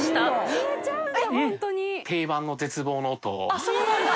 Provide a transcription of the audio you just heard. あっそうなんだ？